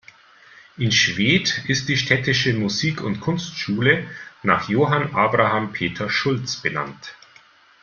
In Schwedt ist die städtische Musik- und Kunstschule nach Johann Abraham Peter Schulz benannt.